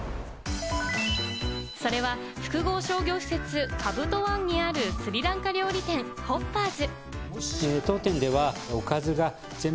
それは複合商業施設ＫＡＢＵＴＯＯＮＥにあるスリランカ料理店・ＨＯＰＰＥＲＳ。